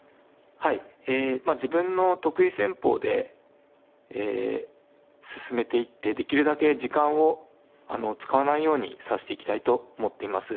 はいえ自分の得意戦法で進めていってできるだけ時間を使わないように指していきたいと思っています。